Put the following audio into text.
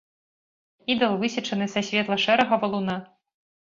Ідал высечаны са светла-шэрага валуна.